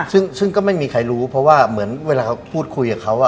ซึ่งก็ไม่มีใครรู้เพราะว่าเหมือนเวลาเขาพูดคุยกับเขา